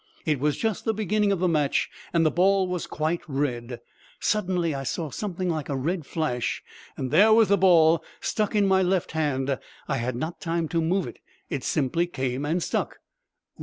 It was just the beginning of the match and the ball was quite red. Suddenly I saw something like a red flash and there was the ball stuck in my left hand. I had not time to move it. It simply came and stuck."